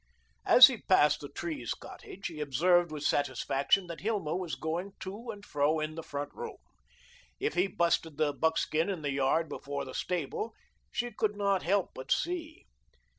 As he passed the Trees' cottage, he observed with satisfaction that Hilma was going to and fro in the front room. If he busted the buckskin in the yard before the stable she could not help but see.